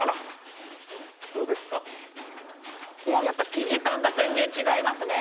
生地感が全然違いますね。